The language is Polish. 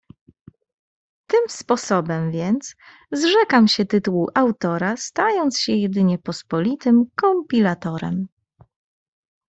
"Tym sposobem więc zrzekam się tytułu autora, stając się jedynie pospolitym kompilatorem."